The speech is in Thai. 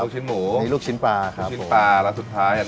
ลูกชิ้นหมูอันนี้ลูกชิ้นปลาครับผมลูกชิ้นปลาแล้วสุดท้ายอันนี้คือ